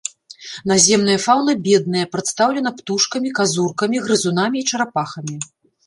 Наземная фаўна бедная, прадстаўлена птушкамі, казуркамі, грызунамі і чарапахамі.